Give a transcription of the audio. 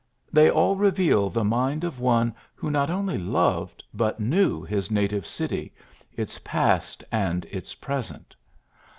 They all reveal the mind of one who not only loved, but knew his native city, its past and its present.